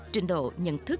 trình độ nhận thức